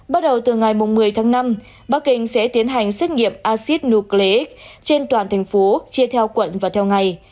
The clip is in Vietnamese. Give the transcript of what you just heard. bắt đầu từ ngày một mươi tháng năm bắc kinh sẽ tiến hành xét nghiệm acid nucleic trên toàn thành phố chia theo quận và theo ngày